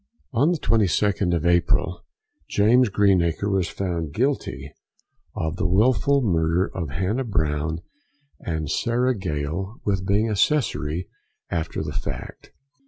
On the 22nd of April, James Greenacre was found guilty of the wilful murder of Hannah Brown, and Sarah Gale with being accessary after the fact.